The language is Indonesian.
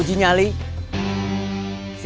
karena anda harus merasa